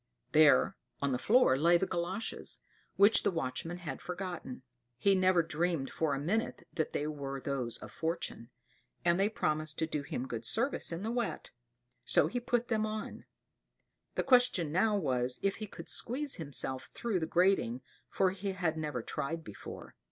There, on the floor lay the galoshes, which the watchman had forgotten; he never dreamed for a moment that they were those of Fortune; and they promised to do him good service in the wet; so he put them on. The question now was, if he could squeeze himself through the grating, for he had never tried before.